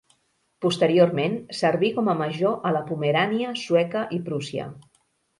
Posteriorment, serví com a major a la Pomerània sueca i Prússia.